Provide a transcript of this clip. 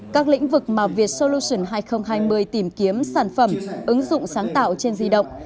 các lĩnh vực mà vietsolution hai nghìn hai mươi tìm kiếm sản phẩm ứng dụng sáng tạo trên di động